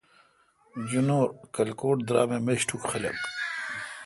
جنور کلکوٹ درام اے میشٹوک خلق۔